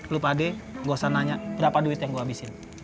lo pade gue usah nanya berapa duit yang gue habisin